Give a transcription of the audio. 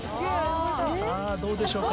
さぁどうでしょうか？